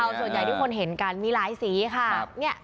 ส่วนใหญ่ทุกคนเห็นกันมีหลายสีค่ะ